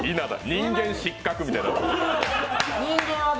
「人間失格」みたいな。